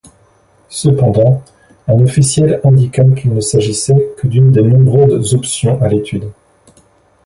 Cependant un officiel indiqua qu'il ne s'agissait que d'une des nombreuses options à l'étude.